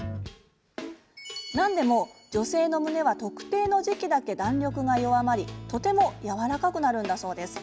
なんでも、女性の胸は特定の時期だけ弾力が弱まりとてもやわらかくなるんだそうです。